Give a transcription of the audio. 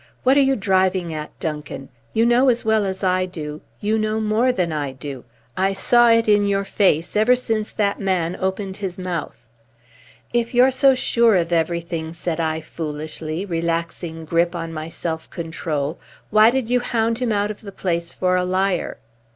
"What are you driving at, Duncan? You know as well as I do you know more than I do. I saw it in your face ever since that man opened his mouth." "If you're so sure of everything," said I foolishly, relaxing grip on my self control, "why did you hound him out of the place for a liar?"